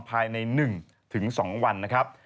ภายใน๑๒วันนะครับ